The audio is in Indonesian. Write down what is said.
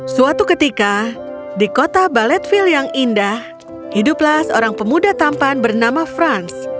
suatu ketika di kota baletville yang indah hiduplah seorang pemuda tampan bernama frans